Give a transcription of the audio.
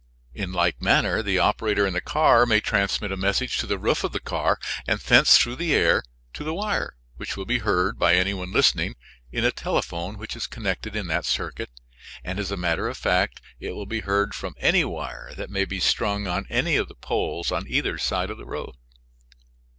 In like manner the operator in the car may transmit a message to the roof of the car and thence through the air to the wire, which will be heard, by any one listening, in a telephone which is connected in that circuit, and, as a matter of fact, it will be heard from any wire that may be strung on any of the poles on either side of the road.